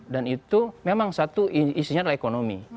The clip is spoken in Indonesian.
dan itu memang satu isinya adalah ekonomi